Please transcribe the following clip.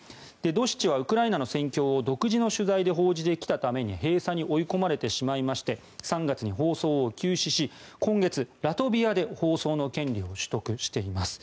ドシチはウクライナの戦況を独自で報じてきたために閉鎖に追い込まれてしまいまして３月に放送を休止し今月、ラトビアで放送の権利を取得しています。